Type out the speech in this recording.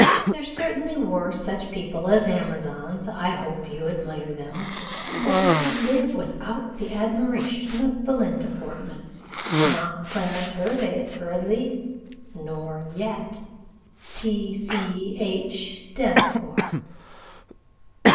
There certainly were such people as Amazons I hope you admire them for who could live without the admiration of Belinda Portman? not Clarence Hervey assuredly nor yet "T. C. H. DELACOUR."